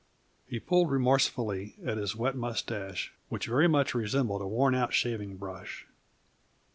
He pulled remorsefully at his wet mustache, which very much resembled a worn out sharing brush.